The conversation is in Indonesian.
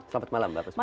selamat malam mbak